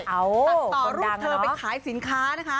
ตัดต่อรูปเธอไปขายสินค้านะคะ